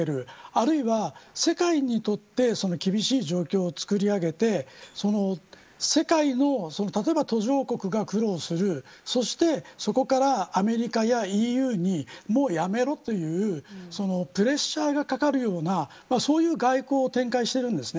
あるいは世界にとって厳しい状況をつくり上げて世界の例えば途上国が苦労するそして、そこからアメリカやＥＵにもうやめろというプレッシャーがかかるようなそういう外交を展開しているんです。